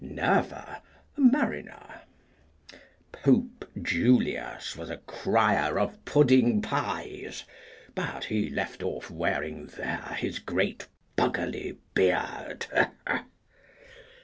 Nerva, a mariner. Pope Julius was a crier of pudding pies, but he left off wearing there his great buggerly beard.